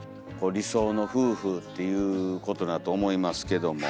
理想の夫婦っていうことだと思いますけども。